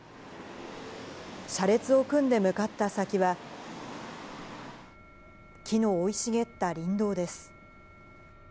車列を組んで向かった先は、木の生い茂った林道です。